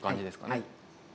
はい。